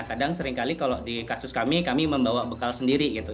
kadang seringkali kalau di kasus kami kami membawa bekal sendiri gitu